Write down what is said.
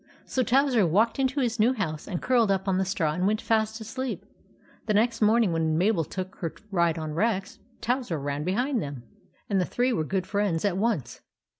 So Towser walked into his new house and curled up on the straw and went fast asleep. The next morning when Mabel took her ride on Rex, Towser ran behind them, and the three were good friends at once.